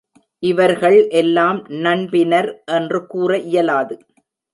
இவர்கள் எல்லாம் நண்பினர் என்று கூற இயலாது.